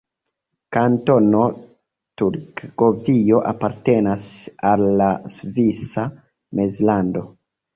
Kantono Turgovio apartenas al la Svisa Mezlando.